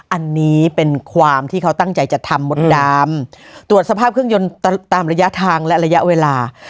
อันนี้เป็นความที่เขาตั้งใจจะทำมดดำตรวจสภาพเครื่องยนต์ตามระยะทางและระยะเวลา